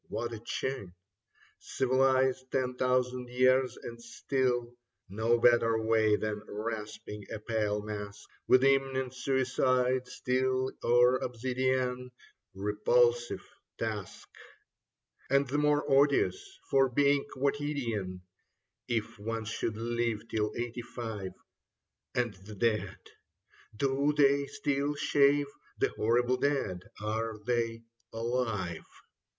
What a chin ! Civilized ten thousand years, and still No better way than rasping a pale mask With imminent suicide, steel or obsidian : Repulsive task ! And the more odious for being quotidian. If one should live till eighty five ... And the dead, do they still shave ^ The horrible dead, are they alive